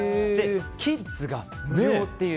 キッズが無料という。